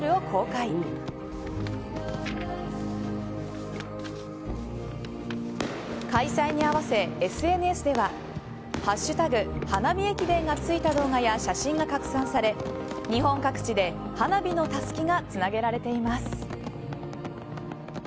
開催に合わせＳＮＳでは「＃花火駅伝」がついた動画や写真が拡散され日本各地で花火のたすきがつなげられています。